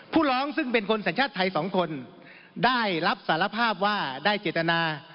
ผู้ร้องซึ่งเป็นคนสัญชาติไทยสองคนได้รับสารภาพว่าได้เจตนา